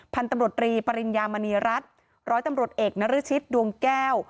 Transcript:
พันธุ์ตำรวจรีปริญญามณีรัฐร้อยตำรวจเอกนรชิตดวงแก้ว